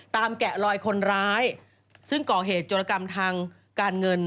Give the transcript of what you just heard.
แกะลอยคนร้ายซึ่งก่อเหตุโจรกรรมทางการเงิน